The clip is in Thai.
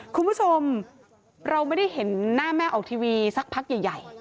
คุณผู้ชมเราไม่ได้เห็นหน้าแม่ออกทีวีสักพักใหญ่